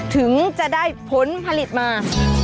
ถึงจะได้ผลผลิตมา